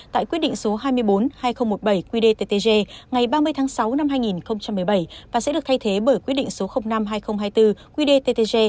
tại quyết định số hai mươi bốn hai nghìn một mươi bảy qdttg ngày ba mươi tháng sáu năm hai nghìn một mươi bảy và sẽ được thay thế bởi quyết định số năm hai nghìn hai mươi bốn qdttg